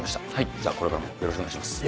じゃあこれからもよろしくお願いします。